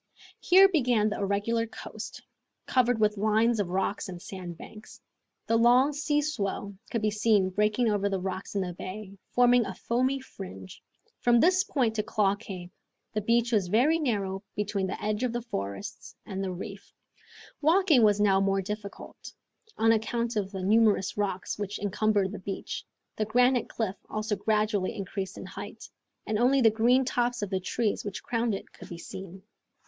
Here began the irregular coast, covered with lines of rocks and sandbanks. The long sea swell could be seen breaking over the rocks in the bay, forming a foamy fringe. From this point to Claw Cape the beach was very narrow between the edge of the forest and the reefs. Walking was now more difficult, on account of the numerous rocks which encumbered the beach. The granite cliff also gradually increased in height, and only the green tops of the trees which crowned it could be seen.